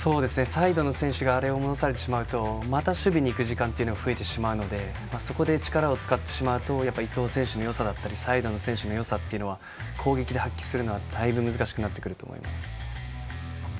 サイドの選手が戻されるとまた守備に行く時間が増えるのでそこで力を使ってしまうと伊東選手のよさだったりサイドの選手の良さを発揮するのは難しくなってくると思います。